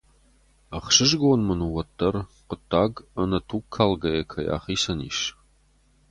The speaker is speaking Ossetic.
Ӕхсызгон мын у уӕддӕр, хъуыддаг ӕнӕ туг калгӕйӕ кӕй ахицӕн ис.